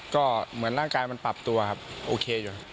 ก็เหมือนร่างกายมันปรับตัวครับโอเคอยู่